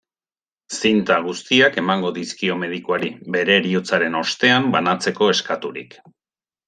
Zinta guztiak emango dizkio medikuari, bere heriotzaren ostean banatzeko eskaturik.